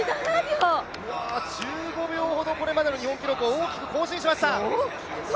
１５秒ほどこれまでの日本記録を大きく更新しました。